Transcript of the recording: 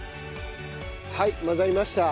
はい混ざりました。